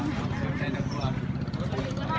นู้ใส่พิมพ์สีขาว